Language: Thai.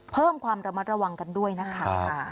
เพิ่มความระมัดระวังกันด้วยนะคะ